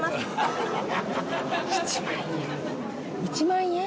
１万円。